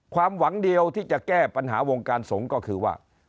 ความหวังเดียวที่จะแก้ปัญหาวงการสงฆ์ก็คือว่า